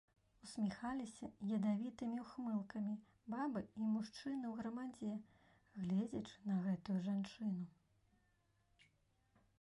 Усміхаліся ядавітымі ўхмылкамі бабы і мужчыны ў грамадзе, гледзячы на гэтую жанчыну.